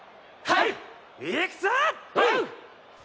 はい。